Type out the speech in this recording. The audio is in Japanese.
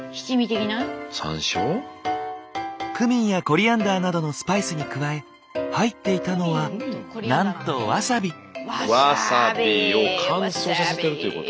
クミンやコリアンダーなどのスパイスに加え入っていたのはなんとワサビ。を乾燥させているってこと？